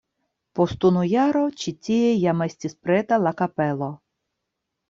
Post unu jaro ĉi tie jam estis preta la kapelo.